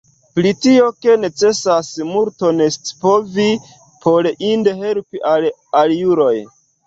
Pri tio, ke necesas multon scipovi, por inde helpi al aliuloj.